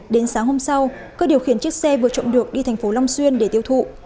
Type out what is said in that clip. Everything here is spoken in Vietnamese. đến sáng hôm sau cơ điều khiển chiếc xe vừa trộm được đi thành phố long xuyên để tiêu thụ